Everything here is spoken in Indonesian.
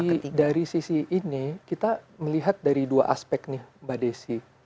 iya jadi kalau dari sisi dari sisi ini kita melihat dari dua aspek nih mbak desi